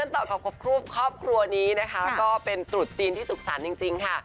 ต่อกับรูปครอบครัวนี้นะคะก็เป็นตรุษจีนที่สุขสรรค์จริงค่ะ